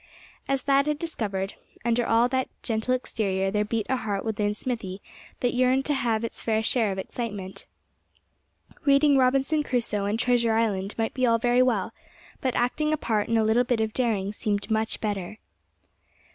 As Thad had discovered, under all that gentle exterior there beat a heart within Smithy that yearned to have its fair share of excitement. Reading Robinson Crusoe and Treasure Island might be all very well; but acting a part in a little bit of daring seemed much better.